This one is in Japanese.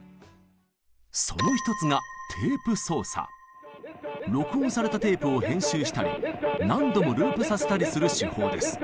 その一つが録音されたテープを編集したり何度もループさせたりする手法です。